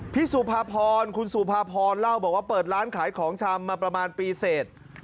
สุภาพรคุณสุภาพรเล่าบอกว่าเปิดร้านขายของชำมาประมาณปีเสร็จ